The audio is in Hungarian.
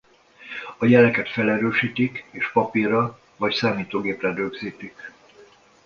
A jeleket felerősítik és papírra vagy számítógépre rögzítik.